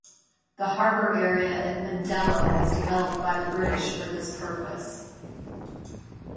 The harbour area at Mindelo was developed by the British for this purpose.